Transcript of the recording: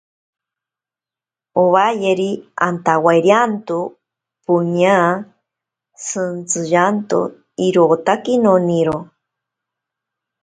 Owayeri, antawairianto poña shintsiyanto... irotaki noniro.